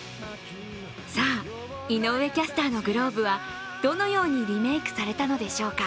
さあ、井上キャスターのグローブはどのようにリメークされたのでしょうか。